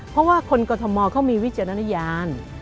เพราะว่าคนกรทมเขามีวิจารณญาณ